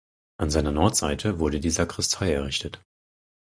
An seiner Nordseite wurde die Sakristei errichtet.